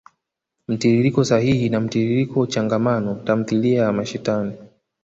mtiririko sahili na mtiririko changamano. Tamthilia ya mashetani.